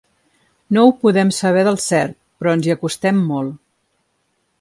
No ho podem saber del cert, però ens hi acostem molt.